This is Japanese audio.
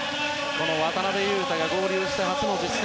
渡邊雄太が合流して初の実戦。